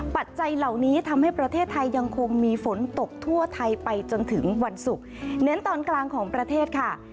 ปัจจัยเหล่านี้ทำให้ประเทศไทยยังคงมีฝนตกทั่วไทยไปจนถึงวันศุกร์เน้นตอนกลางของประเทศค่ะ